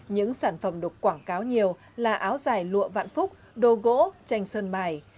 những sản phẩm được quảng cáo nhiều là áo dài lụa vạn phúc đồ gỗ tranh sơn mài